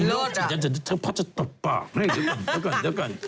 อีโรคจิตเธอจะตอบปากเลย